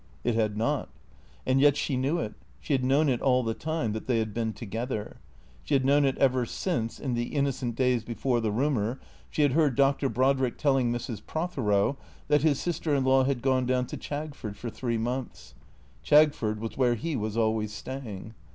It had not. And yet she knew it, she had known it all the time — that they had been together. She had known it ever since, in the innocent days before the rumour, she had heard Dr. Brodrick telling Mrs. Prothero that his sister in law had gone down to Chagford for three months. Chagford was where he was always staying.